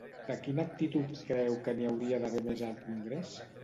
De quina actitud creu que n'hi hauria d'haver més al Congrés?